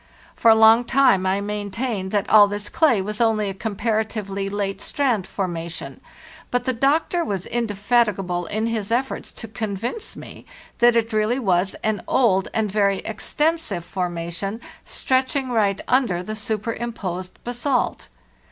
For a long time I maintained that all this clay was only a comparatively late strand formation; but the doctor was indefatigable in his efforts to convince me that it really was an old and very extensive formation, stretching right under the superimposed basalt.